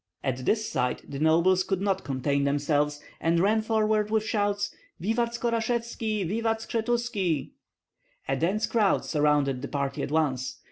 At this sight the nobles could not contain themselves; and ran forward with shouts: "Vivat Skorashevski! Vivat Skshetuski!" A dense crowd surrounded the party at once.